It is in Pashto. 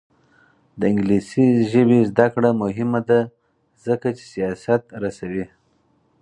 د انګلیسي ژبې زده کړه مهمه ده ځکه چې سیاست رسوي.